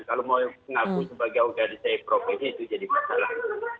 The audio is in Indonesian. kalau mau ngaku sebagai organisasi profesi itu jadi masalah